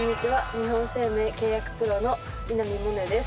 日本生命契約プロの稲見萌寧です。